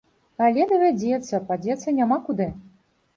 Але давядзецца, падзецца няма куды.